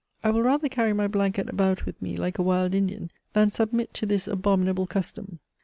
I will rather carry my blanket about with me like a wild Indian, than submit to this abominable custom.